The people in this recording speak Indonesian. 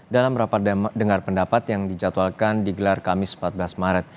dalam rapat dengar pendapat yang dijadwalkan digelar kamis empat belas maret